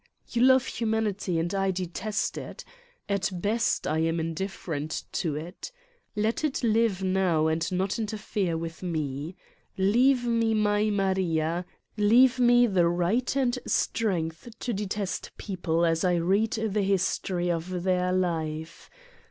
You love humanity and I de test it. At best I am indifferent to it. Let it live and not interfere with me. Leave me my Maria, leave me the right and strength to detest people as I read the history of their life.